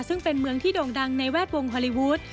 ซึ่งเป็นเมืองที่โด่งดังในแวดวงฮอลลีวูด